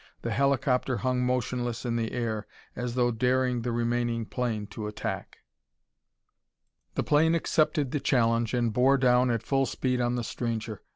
The helicopter hung motionless in the air as though daring the remaining plane to attack. The plane accepted the challenge and bore down at full speed on the stranger.